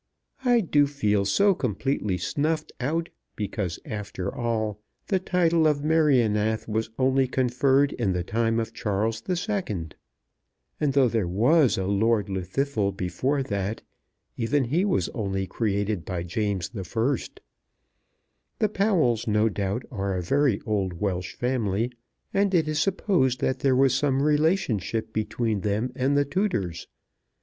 I do feel so completely snuffed out, because, after all, the title of Merioneth was only conferred in the time of Charles the Second. And though there was a Lord Llwddythlw before that, even he was only created by James the First. The Powells no doubt are a very old Welsh family, and it is supposed that there was some relationship between them and the Tudors.